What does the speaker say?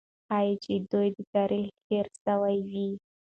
ښایي چې د دوی تاریخ هېر سوی وي.